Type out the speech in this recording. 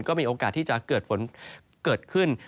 ก็มีโอกาสที่จะเกิดฝนเกิดขึ้น